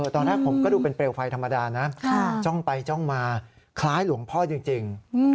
ตอนแรกผมก็ดูเป็นเปลวไฟธรรมดานะจ้องไปจ้องมาคล้ายหลวงพ่อจริง